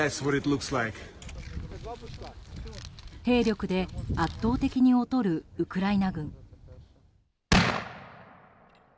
兵力で圧倒的に劣るウクライナ軍。